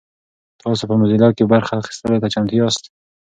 تاسو په موزیلا کې برخه اخیستلو ته چمتو یاست؟